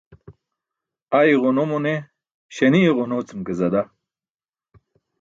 Ay ġuno mo ne śanie ġuno cum ke zada.